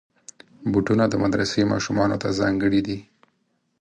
بوټونه د مدرسې ماشومانو ته ځانګړي دي.